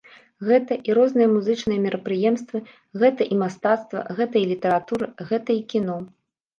Гэта і розныя музычныя мерапрыемствы, гэта і мастацтва, гэта і літаратура, гэта і кіно.